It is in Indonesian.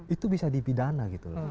itu bisa dipidana